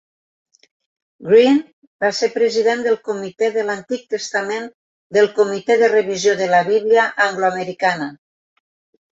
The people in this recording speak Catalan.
Green va ser president del comitè de l'Antic Testament del comitè de revisió de la Bíblia angloamericana.